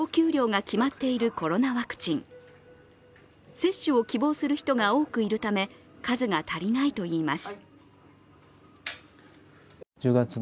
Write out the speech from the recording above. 接種を希望する人が多くいるため数が足りないといいます。